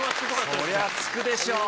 そりゃつくでしょう。